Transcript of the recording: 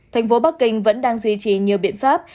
thành phố bắc kinh vẫn đang duy trì nhiều biện pháp